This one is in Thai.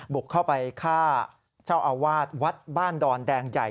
บุกเข้าไปฆ่าเจ้าอาวาสวัดบ้านดอนแดงใหญ่